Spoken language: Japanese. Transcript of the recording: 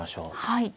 はい。